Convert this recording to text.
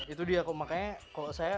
itu dia kok makanya kalau saya